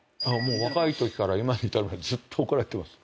若いときから今に至るまでずっと怒られてます。